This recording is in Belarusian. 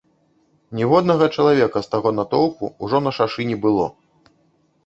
Ніводнага чалавека з таго натоўпу ўжо на шашы не было.